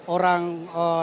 orang yang sangat berharga